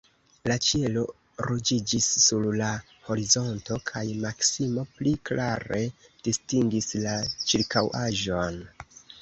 La ĉielo ruĝiĝis sur la horizonto, kaj Maksimo pli klare distingis la ĉirkaŭaĵon.